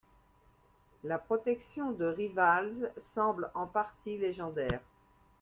La protection de Rivalz semble en partie légendaire.